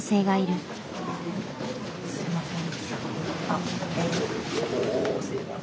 すいません。